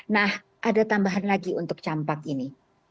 nah ada tambahan lagi untuk campak ini